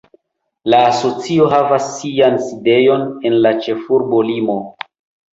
La asocio havas sian sidejon en la ĉefurbo Limo.